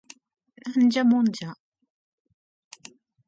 ナンジャモンジャ